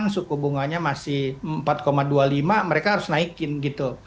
suku bunganya masih empat dua puluh lima mereka harus naikin gitu